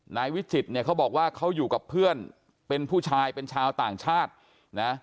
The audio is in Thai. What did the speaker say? นายวิจิตรเนี่ยเขาบอกว่าเขาอยู่กับเพื่อนเป็นผู้ชายเป็นชาวต่างชาตินะ